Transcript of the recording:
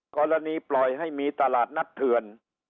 กรณีปล่อยให้มีตลาดนัดเถื่อน